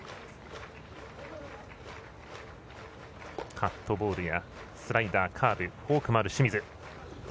カットボールやスライダーカーブフォークもある清水。